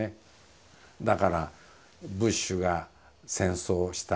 だからブッシュが戦争をした。